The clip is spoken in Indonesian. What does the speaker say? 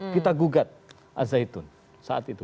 kita gugat al zaitun saat itu